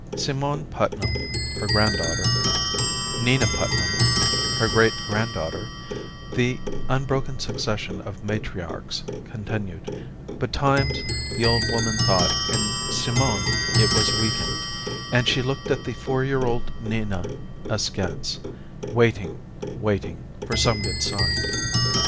Simone Putnam, her granddaughter; Nina Putnam, her great granddaughter; the unbroken succession of matriarchs continued, but times the old woman thought that in Simone it was weakened, and she looked at the four year old Nina askance, waiting, waiting, for some good sign.